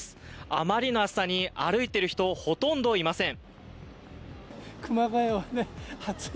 あまりの暑さに歩いている人ほとんどいません。